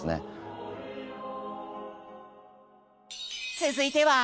続いては？